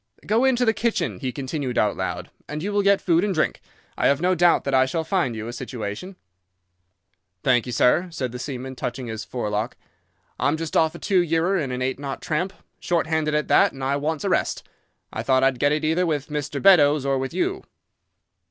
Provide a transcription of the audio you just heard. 'Go into the kitchen,' he continued out loud, 'and you will get food and drink. I have no doubt that I shall find you a situation.' "'Thank you, sir,' said the seaman, touching his forelock. 'I'm just off a two yearer in an eight knot tramp, short handed at that, and I wants a rest. I thought I'd get it either with Mr. Beddoes or with you.